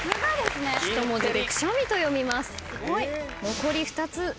残り２つ。